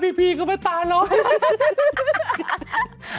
พูดแน่พี่ก็ไม่ตาหรอก